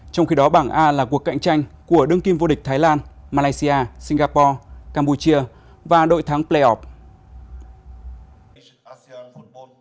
trong khi đó bảng a là cuộc cạnh tranh của đương kim vô địch thái lan malaysia singapore campuchia và đội thắng pelop